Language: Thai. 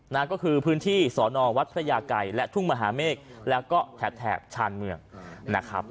นั่นก็คือพื้นที่สอนอวัดพระยาไกรและทุ่งมหาเมฆแล้วก็แถบแถบชานเมืองนะครับ